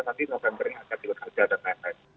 nanti november ini akan di bekerja dan lain lain